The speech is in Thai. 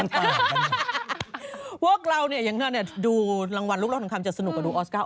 พวกเราเนี่ยอย่างเธอดูรางวัลลูกร่อทองคำจะสนุกกับดูออสการ์